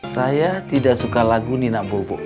saya tidak suka lagu ninak bobo